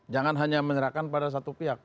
jangan hanya menyerahkan pada satu pihak